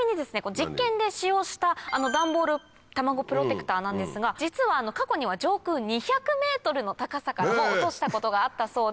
実験で使用したダンボール卵プロテクターなんですが実は過去には上空２００ｍの高さからも落としたことがあったそうで。